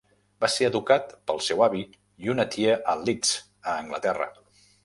Va ser educat pel seu avi i una tia a Leeds a Anglaterra.